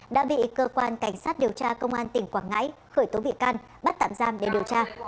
đã bị cơ quan cảnh sát điều tra công an tỉnh quảng ngãi khởi tố bị can bắt tạm giam để điều tra